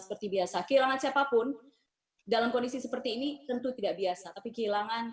seperti biasa kehilangan siapapun dalam kondisi seperti ini tentu tidak biasa tapi kehilangan